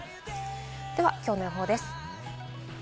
では、きょうの予報です。